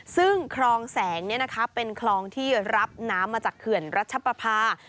ซึ่งคลองแสงเป็นคลองที่รับน้ำมาจากเขื่อนรัชปภา